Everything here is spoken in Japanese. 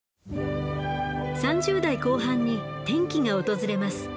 ３０代後半に転機が訪れます。